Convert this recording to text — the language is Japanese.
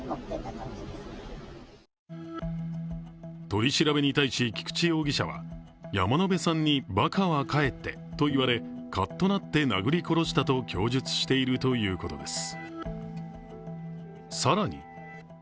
取り調べに対し、菊池容疑者は山野辺さんにバカは帰ってと言われカッとなって殴り殺したと供述しているということです。